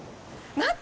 待って！